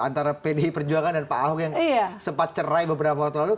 antara pdi perjuangan dan pak ahok yang sempat cerai beberapa waktu lalu